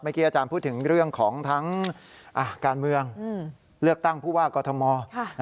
อาจารย์พูดถึงเรื่องของทั้งการเมืองเลือกตั้งผู้ว่ากอทม